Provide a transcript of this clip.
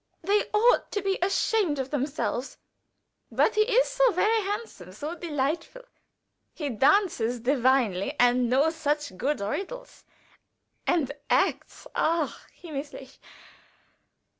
"They ought to be ashamed of themselves." "But he is so handsome, so delightful. He dances divinely, and knows such good riddles, and acts _ach, himmlisch!